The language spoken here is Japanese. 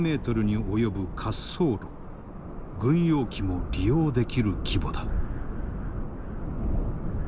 軍用機も利用できる規模だ。